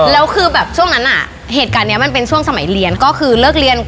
แล้วคือแบบช่วงนั้นอะท็บแล้วนี่มันเป็นช่วงสมัยเรียน